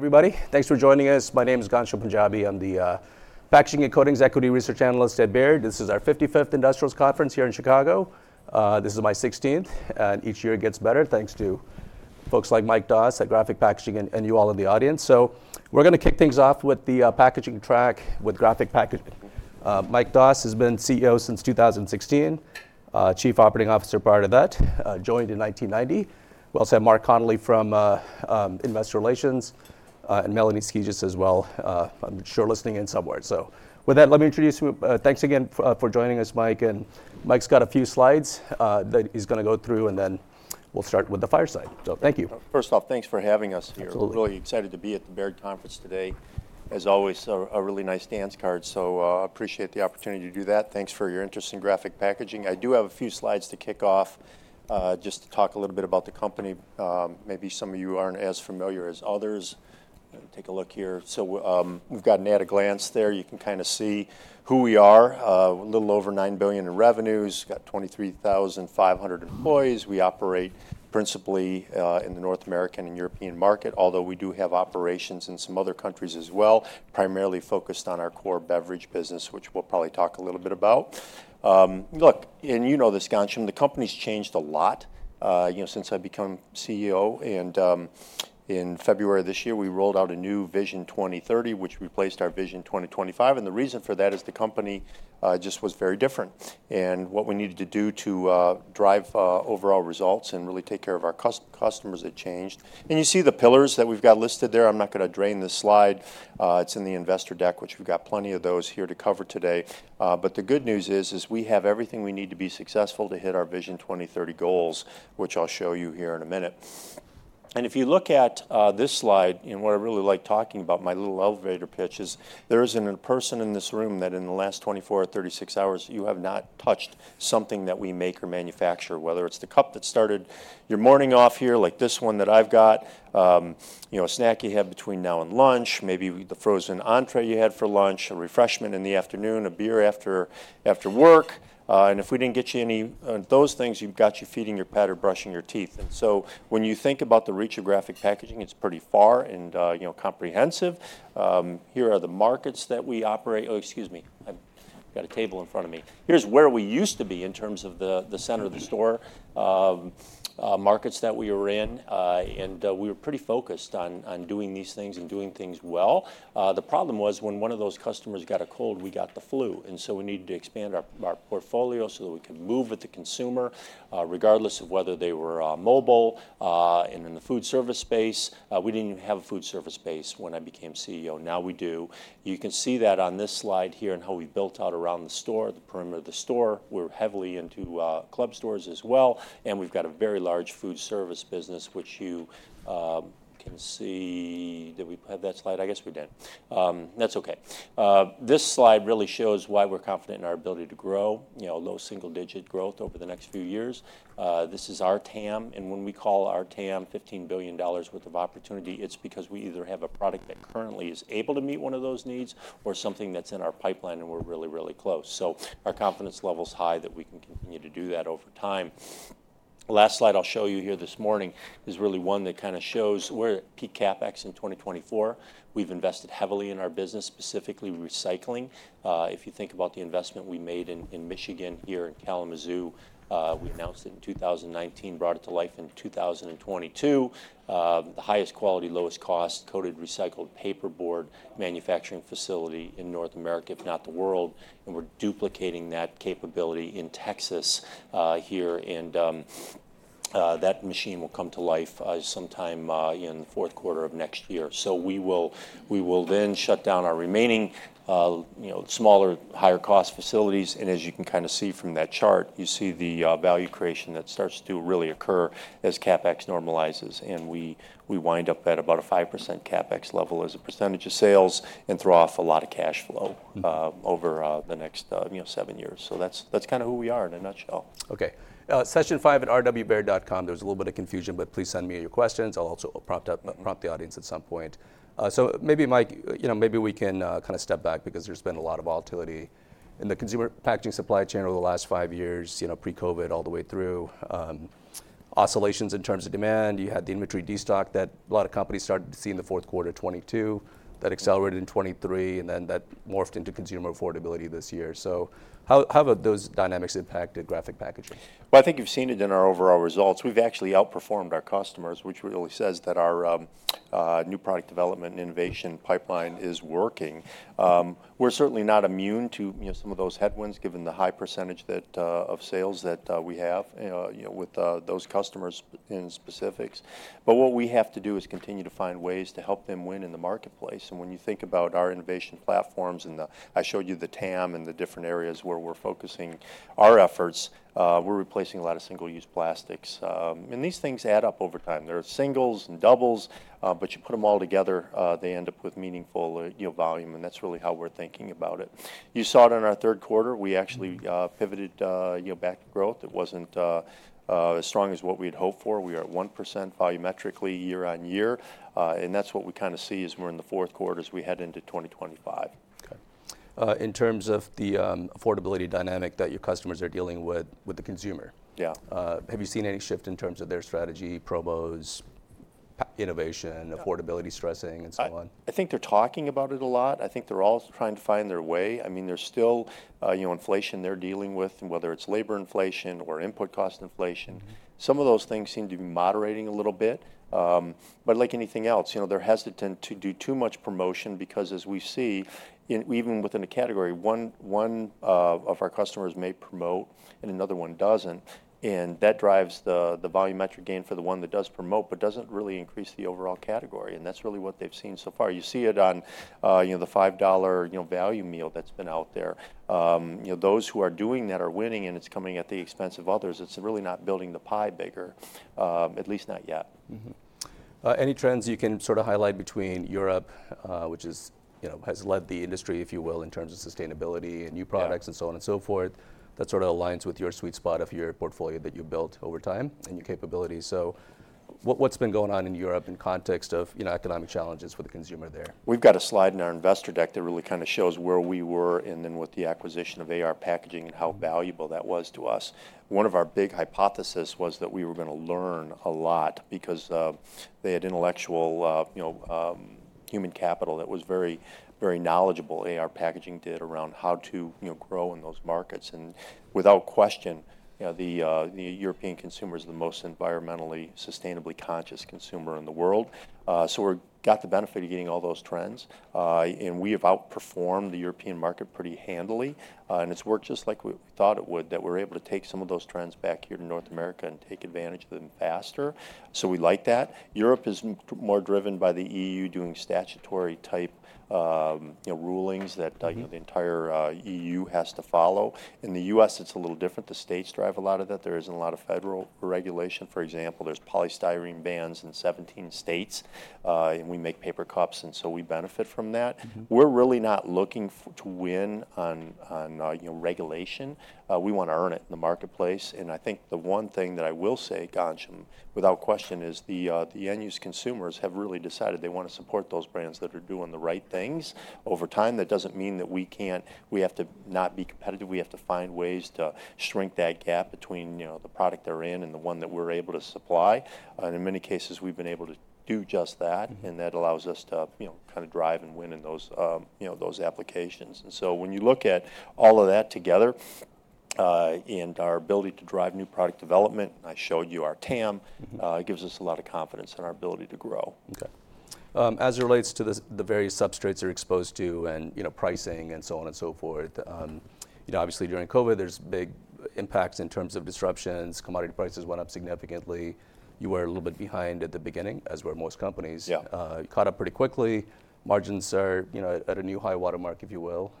Everybody, thanks for joining us. My name is Ghansham Panjabi. I'm the Packaging and Coatings Equity Research Analyst at Baird. This is our 55th Industrials Conference here in Chicago. This is my 16th, and each year it gets better thanks to folks like Mike Doss at Graphic Packaging and you all in the audience. So we're going to kick things off with the packaging track with Graphic Packaging. Mike Doss has been CEO since 2016, Chief Operating Officer prior to that, joined in 1990. We also have Mark Connelly from Investor Relations and Melanie Skijus as well. I'm sure listening in somewhere. So with that, let me introduce you. Thanks again for joining us, Mike. And Mike's got a few slides that he's going to go through, and then we'll start with the fireside. So thank you. First off, thanks for having us here. Absolutely. Really excited to be at the Baird Conference today. As always, a really nice dance card. So I appreciate the opportunity to do that. Thanks for your interest in Graphic Packaging. I do have a few slides to kick off, just to talk a little bit about the company. Maybe some of you aren't as familiar as others. Take a look here. So we've got an at-a-glance there. You can kind of see who we are. A little over $9 billion in revenues, got 23,500 employees. We operate principally in the North American and European market, although we do have operations in some other countries as well, primarily focused on our core beverage business, which we'll probably talk a little bit about. Look, and you know this, Ghansham, the company's changed a lot since I've become CEO. In February of this year, we rolled out a new Vision 2030, which replaced our Vision 2025. The reason for that is the company just was very different. What we needed to do to drive overall results and really take care of our customers had changed. You see the pillars that we've got listed there. I'm not going to drain this slide. It's in the investor deck, which we've got plenty of those here to cover today. The good news is we have everything we need to be successful to hit our Vision 2030 goals, which I'll show you here in a minute. If you look at this slide, and what I really like talking about, my little elevator pitch is there isn't a person in this room that in the last 24 or 36 hours you have not touched something that we make or manufacture, whether it's the cup that started your morning off here, like this one that I've got, a snack you had between now and lunch, maybe the frozen entrée you had for lunch, a refreshment in the afternoon, a beer after work. If we didn't get you any of those things, you've got you feeding your pet or brushing your teeth. When you think about the reach of Graphic Packaging, it's pretty far and comprehensive. Here are the markets that we operate. Oh, excuse me. I've got a table in front of me. Here's where we used to be in terms of the center of the store, markets that we were in. And we were pretty focused on doing these things and doing things well. The problem was when one of those customers got a cold, we got the flu. And so we needed to expand our portfolio so that we could move with the consumer, regardless of whether they were mobile and in the food service space. We didn't even have a food service space when I became CEO. Now we do. You can see that on this slide here and how we built out around the store, the perimeter of the store. We're heavily into club stores as well. And we've got a very large food service business, which you can see. Did we have that slide? I guess we didn't. That's OK. This slide really shows why we're confident in our ability to grow, low single-digit growth over the next few years. This is our TAM, and when we call our TAM $15 billion worth of opportunity, it's because we either have a product that currently is able to meet one of those needs or something that's in our pipeline and we're really, really close, so our confidence level is high that we can continue to do that over time. Last slide I'll show you here this morning is really one that kind of shows where PCAP acts in 2024. We've invested heavily in our business, specifically recycling. If you think about the investment we made in Michigan here in Kalamazoo, we announced it in 2019, brought it to life in 2022. The highest quality, lowest cost, coated recycled paperboard manufacturing facility in North America, if not the world. And we're duplicating that capability in Texas here. And that machine will come to life sometime in the fourth quarter of next year. So we will then shut down our remaining smaller, higher cost facilities. And as you can kind of see from that chart, you see the value creation that starts to really occur as CapEx normalizes. And we wind up at about a 5% CapEx level as a percentage of sales and throw off a lot of cash flow over the next seven years. So that's kind of who we are in a nutshell. OK. Session 5 at rwbaird.com. There's a little bit of confusion, but please send me your questions. I'll also prompt the audience at some point. So maybe, Mike, maybe we can kind of step back because there's been a lot of volatility in the consumer packaging supply chain over the last five years, pre-COVID all the way through. Oscillations in terms of demand. You had the inventory destock that a lot of companies started to see in the fourth quarter of 2022 that accelerated in 2023, and then that morphed into consumer affordability this year. So how have those dynamics impacted Graphic Packaging? I think you've seen it in our overall results. We've actually outperformed our customers, which really says that our new product development and innovation pipeline is working. We're certainly not immune to some of those headwinds given the high percentage of sales that we have with those customers in specifics. But what we have to do is continue to find ways to help them win in the marketplace. And when you think about our innovation platforms and I showed you the TAM and the different areas where we're focusing our efforts, we're replacing a lot of single-use plastics. And these things add up over time. There are singles and doubles, but you put them all together, they end up with meaningful volume. And that's really how we're thinking about it. You saw it in our third quarter. We actually pivoted back to growth. It wasn't as strong as what we had hoped for. We are at 1% volumetrically year on year. And that's what we kind of see as we're in the fourth quarter as we head into 2025. OK. In terms of the affordability dynamic that your customers are dealing with, with the consumer, have you seen any shift in terms of their strategy, promos, innovation, affordability stressing, and so on? I think they're talking about it a lot. I think they're all trying to find their way. I mean, there's still inflation they're dealing with, whether it's labor inflation or input cost inflation. Some of those things seem to be moderating a little bit. But like anything else, they're hesitant to do too much promotion because, as we see, even within a category, one of our customers may promote and another one doesn't. And that drives the volumetric gain for the one that does promote but doesn't really increase the overall category. And that's really what they've seen so far. You see it on the $5 value meal that's been out there. Those who are doing that are winning, and it's coming at the expense of others. It's really not building the pie bigger, at least not yet. Any trends you can sort of highlight between Europe, which has led the industry, if you will, in terms of sustainability and new products and so on and so forth, that sort of aligns with your sweet spot of your portfolio that you built over time and your capability? So what's been going on in Europe in context of economic challenges for the consumer there? We've got a slide in our investor deck that really kind of shows where we were and then with the acquisition of AR Packaging and how valuable that was to us. One of our big hypotheses was that we were going to learn a lot because they had intellectual human capital that was very, very knowledgeable. AR Packaging did around how to grow in those markets, and without question, the European consumer is the most environmentally sustainably conscious consumer in the world. So we got the benefit of getting all those trends, and we have outperformed the European market pretty handily, and it's worked just like we thought it would, that we're able to take some of those trends back here to North America and take advantage of them faster, so we like that. Europe is more driven by the E.U. doing statutory type rulings that the entire E.U. has to follow. In the U.S., it's a little different. The states drive a lot of that. There isn't a lot of federal regulation. For example, there's polystyrene bans in 17 states, and we make paper cups, and so we benefit from that. We're really not looking to win on regulation. We want to earn it in the marketplace, and I think the one thing that I will say, Ghansham, without question, is the end-use consumers have really decided they want to support those brands that are doing the right things over time. That doesn't mean that we can't. We have to not be competitive. We have to find ways to shrink that gap between the product they're in and the one that we're able to supply. And in many cases, we've been able to do just that. And that allows us to kind of drive and win in those applications. And so when you look at all of that together and our ability to drive new product development, and I showed you our TAM, it gives us a lot of confidence in our ability to grow. OK. As it relates to the various substrates you're exposed to and pricing and so on and so forth, obviously during COVID, there's big impacts in terms of disruptions. Commodity prices went up significantly. You were a little bit behind at the beginning, as were most companies. You caught up pretty quickly. Margins are at a new high watermark, if you will,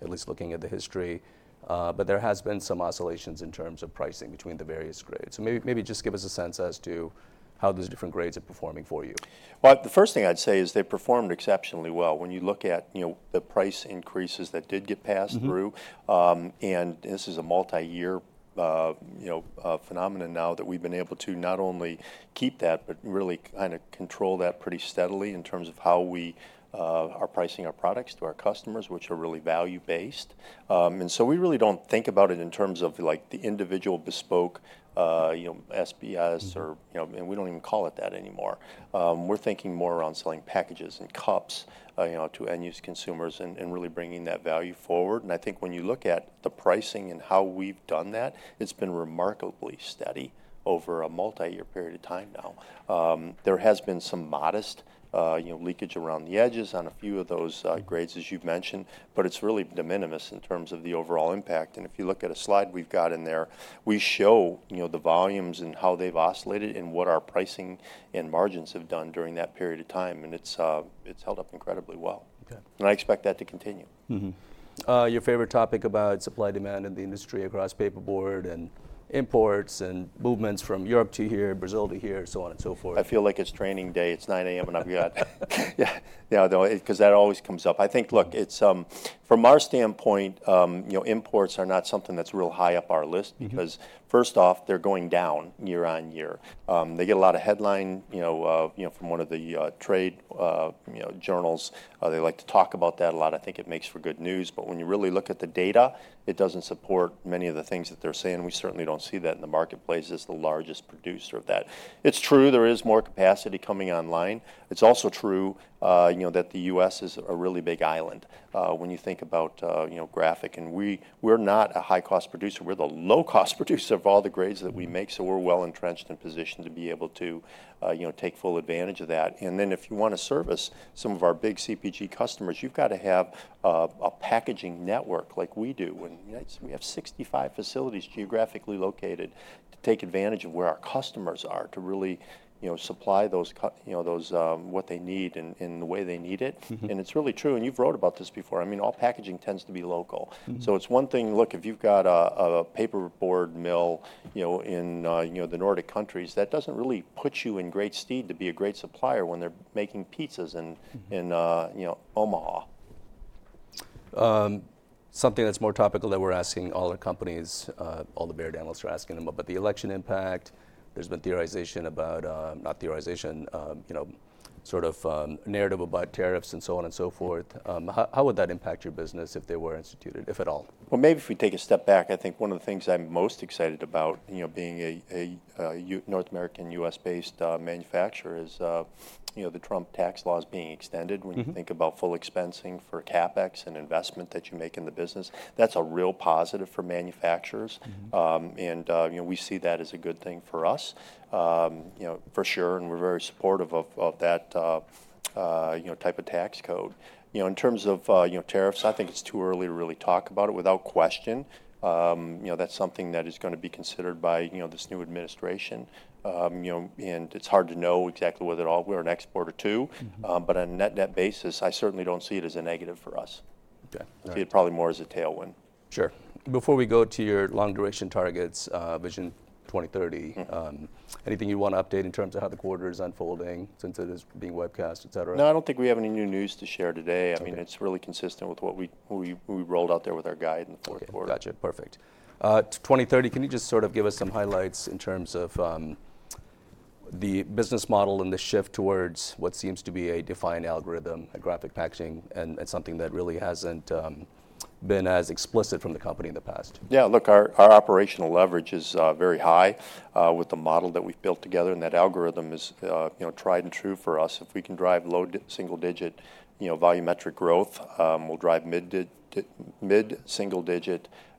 at least looking at the history. But there has been some oscillations in terms of pricing between the various grades. So maybe just give us a sense as to how those different grades are performing for you. The first thing I'd say is they performed exceptionally well. When you look at the price increases that did get passed through, and this is a multi-year phenomenon now that we've been able to not only keep that, but really kind of control that pretty steadily in terms of how we are pricing our products to our customers, which are really value-based. And so we really don't think about it in terms of the individual bespoke SBS or we don't even call it that anymore. We're thinking more around selling packages and cups to end-use consumers and really bringing that value forward. And I think when you look at the pricing and how we've done that, it's been remarkably steady over a multi-year period of time now. There has been some modest leakage around the edges on a few of those grades, as you've mentioned, but it's really de minimis in terms of the overall impact, and if you look at a slide we've got in there, we show the volumes and how they've oscillated and what our pricing and margins have done during that period of time, and it's held up incredibly well, and I expect that to continue. Your favorite topic about supply demand in the industry across paperboard and imports and movements from Europe to here, Brazil to here, so on and so forth. I feel like it's training day. It's 9:00 A.M., and I've got because that always comes up. I think, look, from our standpoint, imports are not something that's real high up our list because, first off, they're going down year on year. They get a lot of headlines from one of the trade journals. They like to talk about that a lot. I think it makes for good news. But when you really look at the data, it doesn't support many of the things that they're saying. We certainly don't see that in the marketplace as the largest producer of that. It's true there is more capacity coming online. It's also true that the U.S. is a really big island when you think about Graphic. And we're not a high-cost producer. We're the low-cost producer of all the grades that we make. So we're well entrenched in position to be able to take full advantage of that. And then if you want to service some of our big CPG customers, you've got to have a packaging network like we do. And we have 65 facilities geographically located to take advantage of where our customers are to really supply what they need in the way they need it. And it's really true. And you've wrote about this before. I mean, all packaging tends to be local. So it's one thing, look, if you've got a paperboard mill in the Nordic countries, that doesn't really put you in great stead to be a great supplier when they're making pizzas in Omaha. Something that's more topical that we're asking all our companies, all the Baird analysts are asking about, but the election impact. There's been theorization about not theorization, sort of narrative about tariffs and so on and so forth. How would that impact your business if they were instituted, if at all? Maybe if we take a step back, I think one of the things I'm most excited about being a North American and U.S.-based manufacturer is the Trump tax laws being extended. When you think about full expensing for CapEx and investment that you make in the business, that's a real positive for manufacturers. And we see that as a good thing for us, for sure. And we're very supportive of that type of tax code. In terms of tariffs, I think it's too early to really talk about it. Without question, that's something that is going to be considered by this new administration. And it's hard to know exactly whether it all will or next quarter too. But on a net-net basis, I certainly don't see it as a negative for us. I see it probably more as a tailwind. Sure. Before we go to your long-duration targets, Vision 2030, anything you want to update in terms of how the quarter is unfolding since it is being webcast, et cetera? No, I don't think we have any new news to share today. I mean, it's really consistent with what we rolled out there with our guide in the fourth quarter. Gotcha. Perfect. 2030, can you just sort of give us some highlights in terms of the business model and the shift towards what seems to be a defined algorithm at Graphic Packaging, and something that really hasn't been as explicit from the company in the past? Yeah. Look, our operational leverage is very high with the model that we've built together. And that algorithm is tried and true for us. If we can drive low single-digit volumetric growth, we'll drive mid-single-digit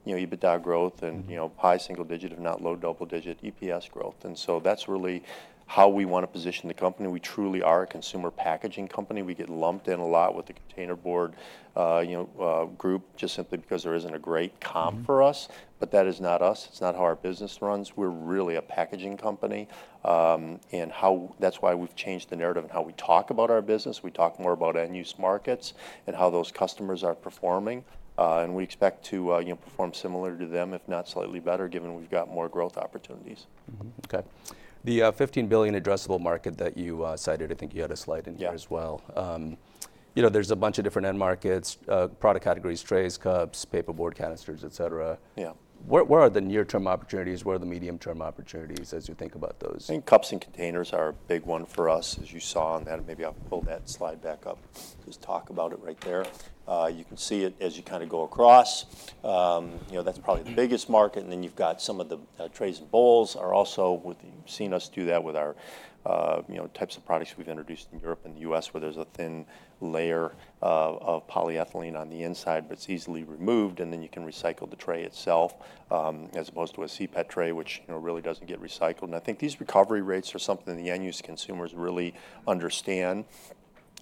EBITDA growth and high single-digit, if not low double-digit EPS growth. And so that's really how we want to position the company. We truly are a consumer packaging company. We get lumped in a lot with the container board group just simply because there isn't a great comp for us. But that is not us. It's not how our business runs. We're really a packaging company. And that's why we've changed the narrative in how we talk about our business. We talk more about end-use markets and how those customers are performing. And we expect to perform similar to them, if not slightly better, given we've got more growth opportunities. OK. The $15 billion addressable market that you cited, I think you had a slide in here as well. There's a bunch of different end markets, product categories, trays, cups, paperboard canisters, et cetera. Where are the near-term opportunities? Where are the medium-term opportunities as you think about those? I think cups and containers are a big one for us, as you saw on that. Maybe I'll pull that slide back up. Just talk about it right there. You can see it as you kind of go across. That's probably the biggest market, and then you've got some of the trays and bowls are also, you've seen us do that with our types of products we've introduced in Europe and the US, where there's a thin layer of polyethylene on the inside, but it's easily removed, and then you can recycle the tray itself as opposed to a C-PET tray, which really doesn't get recycled, and I think these recovery rates are something that the end-use consumers really understand.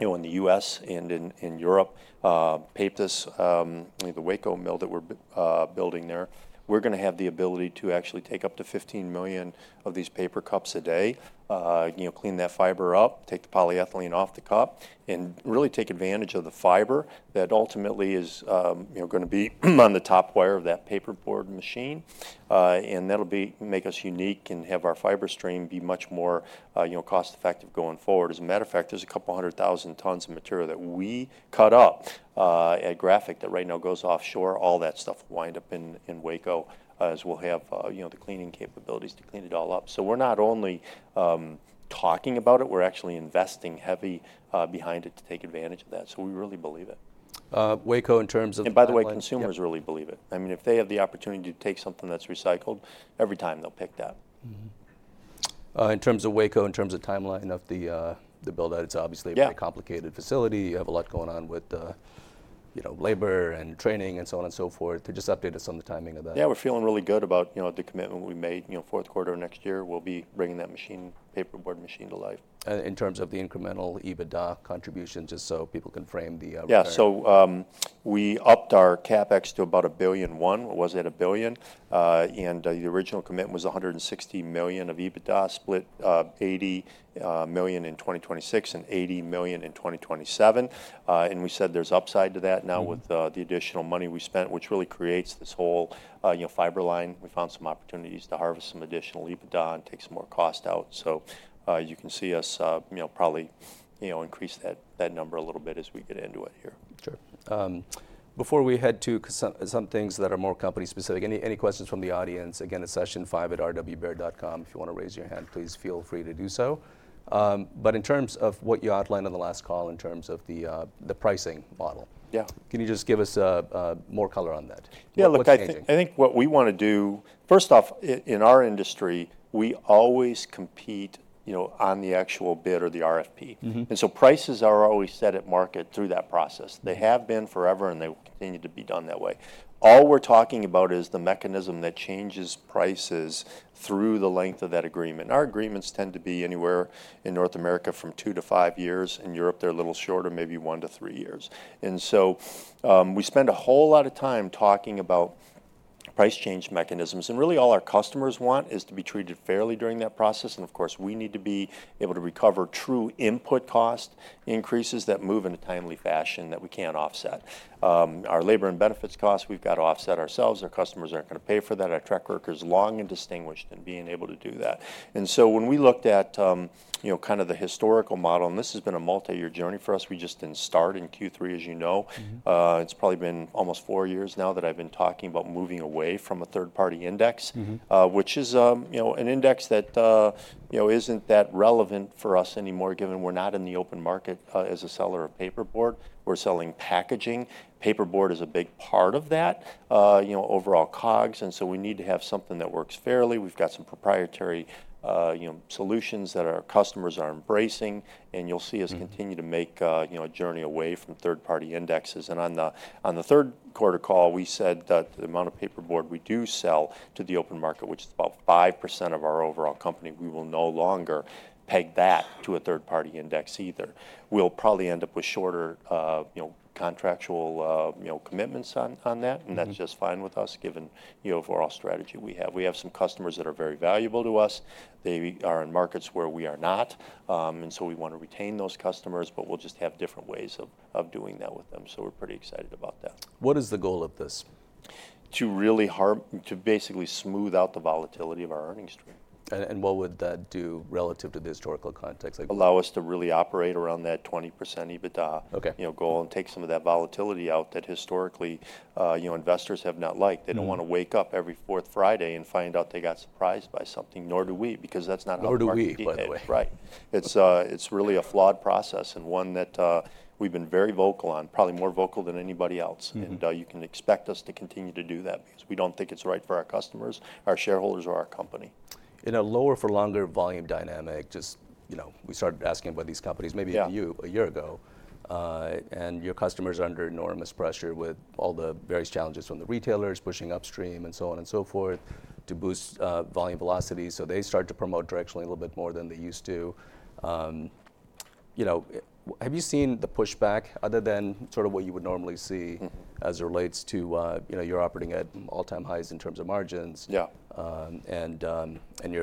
In the U.S. and in Europe, PAPETUS, the Waco mill that we're building there, we're going to have the ability to actually take up to 15 million of these paper cups a day, clean that fiber up, take the polyethylene off the cup, and really take advantage of the fiber that ultimately is going to be on the top wire of that paperboard machine, and that'll make us unique and have our fiber stream be much more cost-effective going forward. As a matter of fact, there's a couple hundred thousand tons of material that we cut up at Graphic that right now goes offshore. All that stuff will wind up in Waco as we'll have the cleaning capabilities to clean it all up, so we're not only talking about it, we're actually investing heavy behind it to take advantage of that, so we really believe it. Waco in terms of. And by the way, consumers really believe it. I mean, if they have the opportunity to take something that's recycled, every time they'll pick that. In terms of Waco, in terms of timeline of the build-out, it's obviously a very complicated facility. You have a lot going on with labor and training and so on and so forth. Could you just update us on the timing of that? Yeah. We're feeling really good about the commitment we made. Fourth quarter of next year, we'll be bringing that paperboard machine to life. In terms of the incremental EBITDA contributions, just so people can frame the return. Yeah. So we upped our CapEx to about $1.01 billion. Was it $1 billion? And the original commitment was $160 million of EBITDA, split $80 million in 2026 and $80 million in 2027. And we said there's upside to that now with the additional money we spent, which really creates this whole fiber line. We found some opportunities to harvest some additional EBITDA and take some more cost out. So you can see us probably increase that number a little bit as we get into it here. Sure. Before we head to some things that are more company-specific, any questions from the audience? Again, it's session5@rwbaird.com. If you want to raise your hand, please feel free to do so. But in terms of what you outlined on the last call in terms of the pricing model, can you just give us more color on that? Yeah. Look, I think what we want to do, first off, in our industry, we always compete on the actual bid or the RFP. And so prices are always set at market through that process. They have been forever, and they will continue to be done that way. All we're talking about is the mechanism that changes prices through the length of that agreement. Our agreements tend to be anywhere in North America from two to five years. In Europe, they're a little shorter, maybe one to three years. And so we spend a whole lot of time talking about price change mechanisms. And really, all our customers want is to be treated fairly during that process. And of course, we need to be able to recover true input cost increases that move in a timely fashion that we can't offset. Our labor and benefits costs, we've got to offset ourselves. Our customers aren't going to pay for that. Our track record's long and distinguished in being able to do that. And so when we looked at kind of the historical model, and this has been a multi-year journey for us. We just didn't start in Q3, as you know. It's probably been almost four years now that I've been talking about moving away from a third-party index, which is an index that isn't that relevant for us anymore, given we're not in the open market as a seller of paperboard. We're selling packaging. Paperboard is a big part of that overall COGS. And so we need to have something that works fairly. We've got some proprietary solutions that our customers are embracing. And you'll see us continue to make a journey away from third-party indexes. And on the third quarter call, we said that the amount of paperboard we do sell to the open market, which is about 5% of our overall company, we will no longer peg that to a third-party index either. We'll probably end up with shorter contractual commitments on that. And that's just fine with us, given the overall strategy we have. We have some customers that are very valuable to us. They are in markets where we are not. And so we want to retain those customers, but we'll just have different ways of doing that with them. So we're pretty excited about that. What is the goal of this? To basically smooth out the volatility of our earnings stream. What would that do relative to the historical context? Allow us to really operate around that 20% EBITDA goal and take some of that volatility out that historically investors have not liked. They don't want to wake up every fourth Friday and find out they got surprised by something, nor do we, because that's not how it works. Nor do we, by the way. Right. It's really a flawed process and one that we've been very vocal on, probably more vocal than anybody else, and you can expect us to continue to do that because we don't think it's right for our customers, our shareholders, or our company. In a lower-for-longer volume dynamic, just we started asking about these companies maybe a year ago, and your customers are under enormous pressure with all the various challenges from the retailers pushing upstream and so on and so forth to boost volume velocity, so they start to promote directionally a little bit more than they used to. Have you seen the pushback other than sort of what you would normally see as it relates to your operating at all-time highs in terms of margins? You're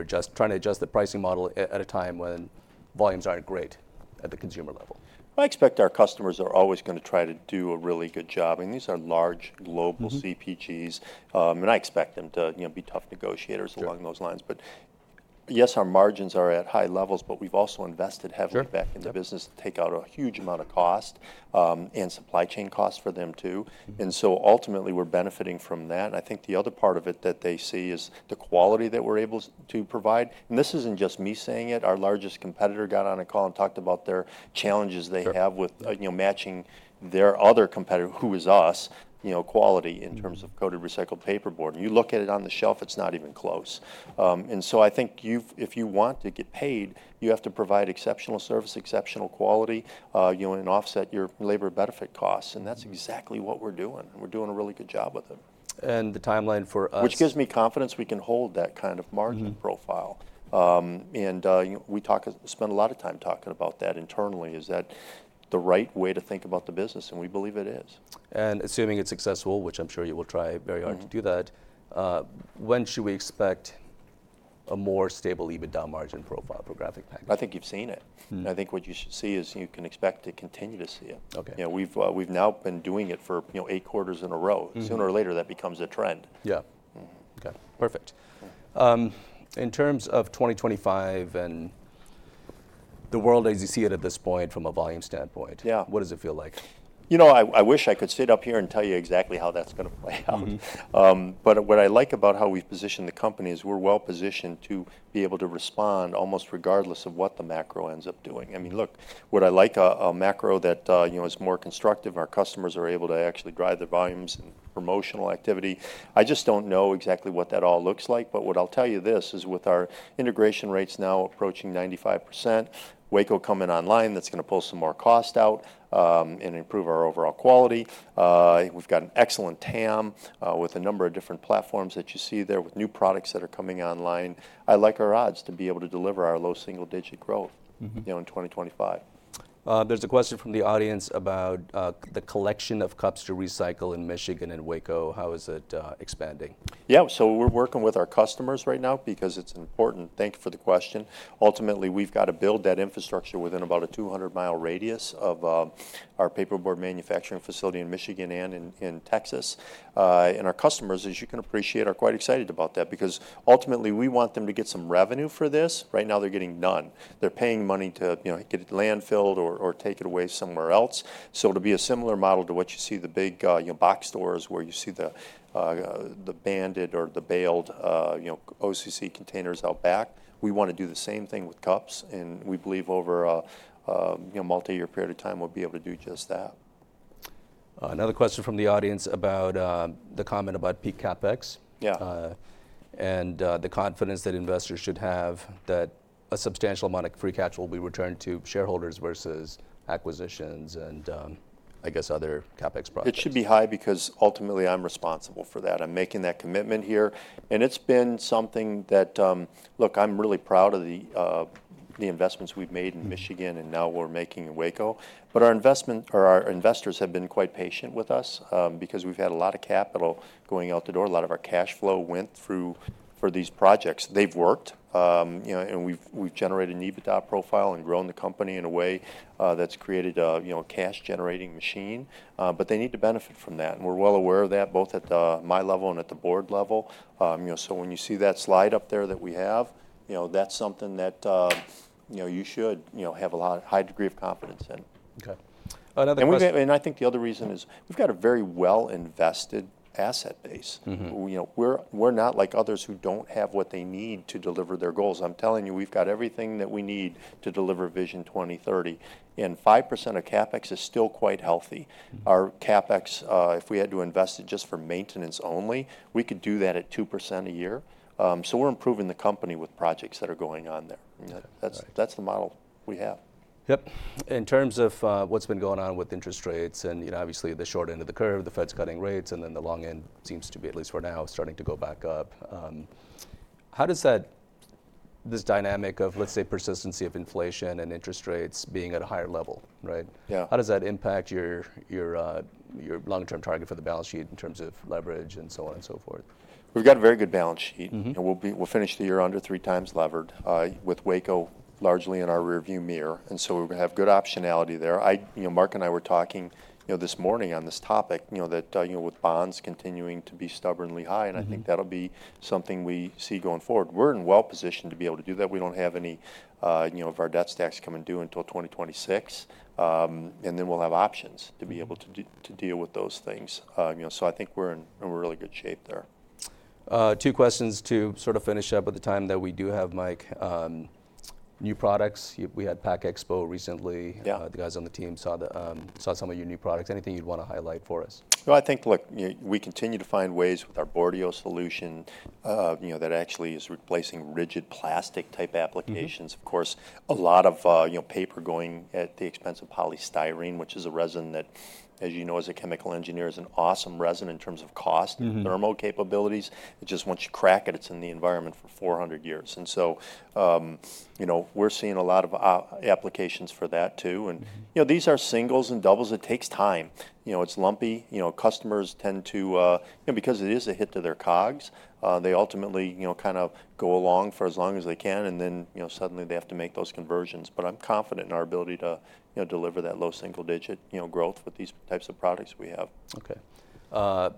just trying to adjust the pricing model at a time when volumes aren't great at the consumer level? I expect our customers are always going to try to do a really good job. And these are large global CPGs. And I expect them to be tough negotiators along those lines. But yes, our margins are at high levels, but we've also invested heavily back in the business to take out a huge amount of cost and supply chain cost for them too. And so ultimately, we're benefiting from that. And I think the other part of it that they see is the quality that we're able to provide. And this isn't just me saying it. Our largest competitor got on a call and talked about their challenges they have with matching their other competitor, who is us, quality in terms of coated recycled paperboard. And you look at it on the shelf, it's not even close. I think if you want to get paid, you have to provide exceptional service, exceptional quality, and offset your labor benefit costs. That's exactly what we're doing. We're doing a really good job with it. And the timeline for us. Which gives me confidence we can hold that kind of margin profile. And we spend a lot of time talking about that internally. Is that the right way to think about the business? And we believe it is. Assuming it's successful, which I'm sure you will try very hard to do that, when should we expect a more stable EBITDA margin profile for Graphic Packaging? I think you've seen it. I think what you should see is you can expect to continue to see it. We've now been doing it for eight quarters in a row. Sooner or later, that becomes a trend. Yeah. OK. Perfect. In terms of 2025 and the world as you see it at this point from a volume standpoint, what does it feel like? You know, I wish I could sit up here and tell you exactly how that's going to play out. But what I like about how we've positioned the company is we're well positioned to be able to respond almost regardless of what the macro ends up doing. I mean, look, would I like a macro that is more constructive? Our customers are able to actually drive the volumes and promotional activity. I just don't know exactly what that all looks like. But what I'll tell you this is with our integration rates now approaching 95%, Waco coming online, that's going to pull some more cost out and improve our overall quality. We've got an excellent TAM with a number of different platforms that you see there with new products that are coming online. I like our odds to be able to deliver our low single-digit growth in 2025. There's a question from the audience about the collection of cups to recycle in Michigan and Waco. How is it expanding? Yeah, so we're working with our customers right now because it's important. Thank you for the question. Ultimately, we've got to build that infrastructure within about a 200-mile radius of our paperboard manufacturing facility in Michigan and in Texas, and our customers, as you can appreciate, are quite excited about that because ultimately, we want them to get some revenue for this. Right now, they're getting none. They're paying money to get it landfilled or take it away somewhere else, so to be a similar model to what you see the big box stores where you see the banded or the baled OCC containers out back, we want to do the same thing with cups, and we believe over a multi-year period of time, we'll be able to do just that. Another question from the audience about the comment about peak CapEx. And the confidence that investors should have that a substantial amount of free cash will be returned to shareholders versus acquisitions and, I guess, other CapEx projects. It should be high because ultimately, I'm responsible for that. I'm making that commitment here. And it's been something that, look, I'm really proud of the investments we've made in Michigan and now we're making in Waco. But our investors have been quite patient with us because we've had a lot of capital going out the door. A lot of our cash flow went through for these projects. They've worked. And we've generated an EBITDA profile and grown the company in a way that's created a cash-generating machine. But they need to benefit from that. And we're well aware of that, both at my level and at the board level. So when you see that slide up there that we have, that's something that you should have a high degree of confidence in. OK. Another question. And I think the other reason is we've got a very well-invested asset base. We're not like others who don't have what they need to deliver their goals. I'm telling you, we've got everything that we need to deliver Vision 2030. And 5% of CapEx is still quite healthy. Our CapEx, if we had to invest it just for maintenance only, we could do that at 2% a year. So we're improving the company with projects that are going on there. That's the model we have. Yep. In terms of what's been going on with interest rates and obviously the short end of the curve, the Fed's cutting rates, and then the long end seems to be, at least for now, starting to go back up. How does this dynamic of, let's say, persistence of inflation and interest rates being at a higher level, right? How does that impact your long-term target for the balance sheet in terms of leverage and so on and so forth? We've got a very good balance sheet. We'll finish the year under three times levered with Waco largely in our rearview mirror. And so we're going to have good optionality there. Mark and I were talking this morning on this topic that with bonds continuing to be stubbornly high. And I think that'll be something we see going forward. We're well positioned to be able to do that. We don't have any of our debt maturities come due until 2026. And then we'll have options to be able to deal with those things. So I think we're in really good shape there. Two questions to sort of finish up at the time that we do have, Mike. New products. We had Pack Expo recently. The guys on the team saw some of your new products. Anything you'd want to highlight for us? I think, look, we continue to find ways with our Boardio solution that actually is replacing rigid plastic-type applications. Of course, a lot of paper going at the expense of polystyrene, which is a resin that, as you know, as a chemical engineer, is an awesome resin in terms of cost and thermal capabilities. It just, once you crack it, it's in the environment for 400 years. And so we're seeing a lot of applications for that too. And these are singles and doubles. It takes time. It's lumpy. Customers tend to, because it is a hit to their COGS, they ultimately kind of go along for as long as they can. And then suddenly, they have to make those conversions. But I'm confident in our ability to deliver that low single-digit growth with these types of products we have. OK.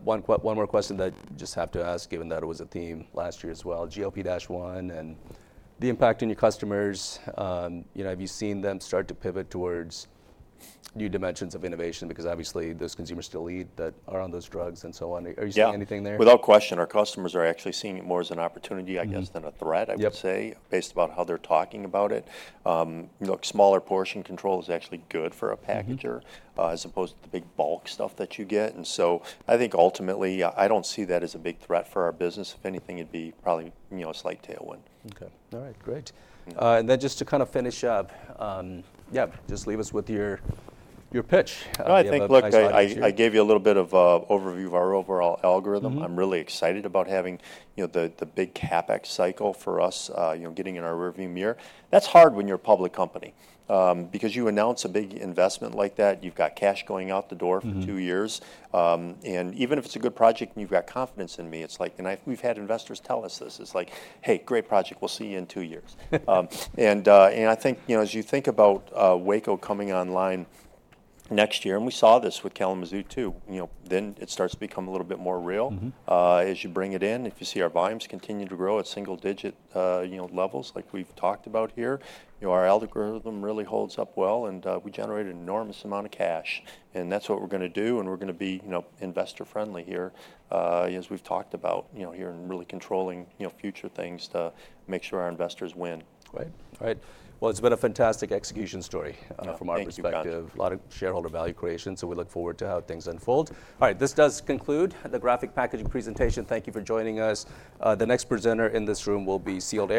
One more question that I just have to ask, given that it was a theme last year as well. GLP-1 and the impact on your customers. Have you seen them start to pivot towards new dimensions of innovation? Because obviously, there's consumers still left that are on those drugs and so on. Are you seeing anything there? Yeah. Without question. Our customers are actually seeing it more as an opportunity, I guess, than a threat, I would say, based about how they're talking about it. Smaller portion control is actually good for a packager as opposed to the big bulk stuff that you get. And so I think ultimately, I don't see that as a big threat for our business. If anything, it'd be probably a slight tailwind. OK. All right. Great. And then just to kind of finish up, yeah, just leave us with your pitch. I think, look, I gave you a little bit of overview of our overall algorithm. I'm really excited about having the big CapEx cycle for us getting in our rearview mirror. That's hard when you're a public company. Because you announce a big investment like that, you've got cash going out the door for two years. And even if it's a good project and you've got confidence in me, it's like, and we've had investors tell us this. It's like, hey, great project. We'll see you in two years. And I think as you think about Waco coming online next year, and we saw this with Kalamazoo too, then it starts to become a little bit more real. As you bring it in, if you see our volumes continue to grow at single-digit levels like we've talked about here, our algorithm really holds up well. And we generate an enormous amount of cash. And that's what we're going to do. And we're going to be investor-friendly here, as we've talked about here, and really controlling future things to make sure our investors win. Right. Right. Well, it's been a fantastic execution story from our perspective. Thank you. A lot of shareholder value creation. So we look forward to how things unfold. All right. This does conclude the Graphic Packaging presentation. Thank you for joining us. The next presenter in this room will be Sealed Air.